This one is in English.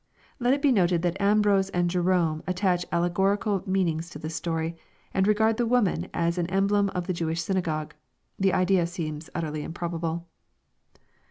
] Let it be noted that Am brose and Jerome attach allegorical meanings to this story, and re gard the woman as an emblem of the Jewish synagogue. The idea seems utterly improbable.